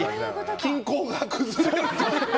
均衡が崩れるんだ。